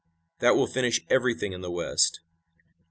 That will finish everything in the West."